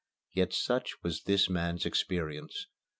Yet such was this man's experience.